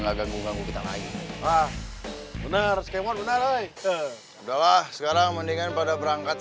nggak ganggu ganggu kita lagi ah bener skemon bener hai udah lah sekarang mendingan pada berangkat